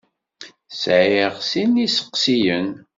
Sɛiɣ sin n yisseqsiyen.